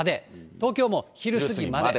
東京も昼過ぎまで。